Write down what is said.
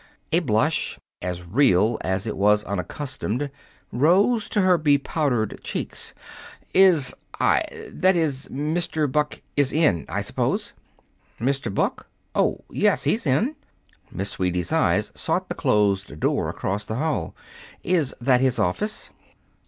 A blush, as real as it was unaccustomed, arose to her bepowdered cheeks. "Is I that is Mr. Buck is in, I suppose?" "Mr. Buck? Oh, yes, he's in." Miss Sweeney's eyes sought the closed door across the hall. "Is that his office?"